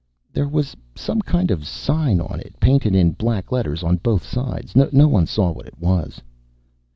"There was some kind of sign on it. Painted in black letters on both sides. No one saw what it was."